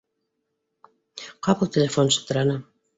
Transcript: Ҡапыл телефон шылтыраны